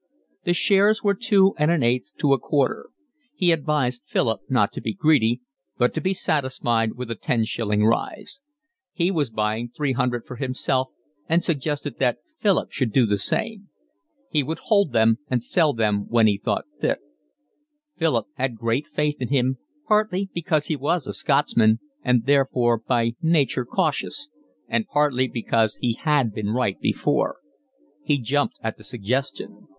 The shares were two and an eighth to a quarter. He advised Philip not to be greedy, but to be satisfied with a ten shilling rise. He was buying three hundred for himself and suggested that Philip should do the same. He would hold them and sell when he thought fit. Philip had great faith in him, partly because he was a Scotsman and therefore by nature cautious, and partly because he had been right before. He jumped at the suggestion.